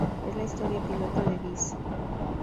Es la historia piloto de Dice.